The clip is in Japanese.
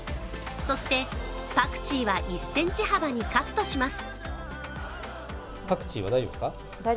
そしてパクチーは１ｃｍ幅にカットします。